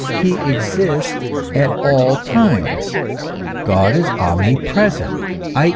he exists at all times; God is omnipresent, i.